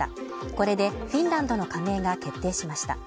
これでフィンランドの加盟が決定しました。